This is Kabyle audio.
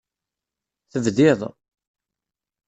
Tebdiḍ.